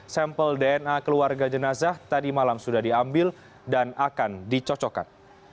sampel dna keluarga jenazah tadi malam sudah diambil dan akan dicocokkan